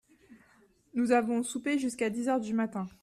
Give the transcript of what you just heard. Nous avons soupé jusqu'à dix heures du matin.